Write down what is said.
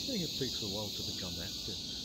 I think it takes a while to become active.